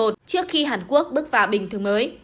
trước khi hàn quốc bước vào bình thường